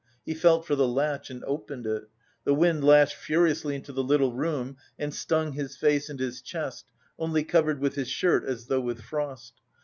He felt for the latch and opened it. The wind lashed furiously into the little room and stung his face and his chest, only covered with his shirt, as though with frost.